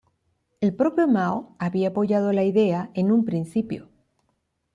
El propio Mao había apoyado la idea en un principio.